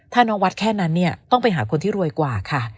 ถ้าน้องวัดแค่นั้นเนี่ยต้องไปหาคนที่รวยกว่าค่ะ